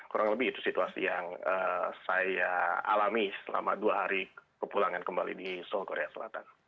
kurang lebih itu situasi yang saya alami selama dua hari kepulangan kembali di seoul korea selatan